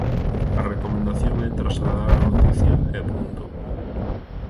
A recomendación é trasladar a noticia e punto.